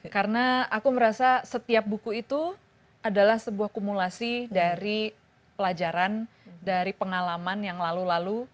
karena aku merasa setiap buku itu adalah sebuah kumulasi dari pelajaran dari pengalaman yang lalu lalu